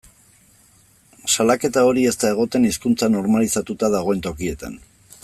Salaketa hori ez da egoten hizkuntza normalizatuta dagoen tokietan.